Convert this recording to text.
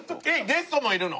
ゲストもいるの？